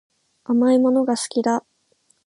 甘いものが好きだ